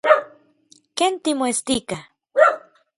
¿Ken timoestika?